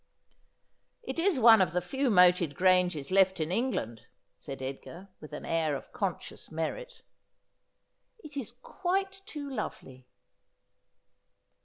' It is one of the few moated granges loft in England,' said Edgar with an air of conscious merit. 164 Aspliodel. ' It is quite too lovely.'